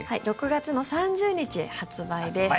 ６月の３０日発売です。